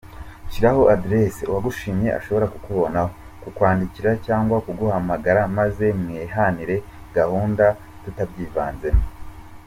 Shyiraho adresse uwagushimye ashobora kukubonaho, kukwandikira cyangwa kuguhamagara maze mwihanire gahunda tutabyivanzemo.